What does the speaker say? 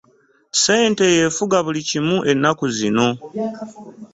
ssente yefuga buli kimu ennaku zino.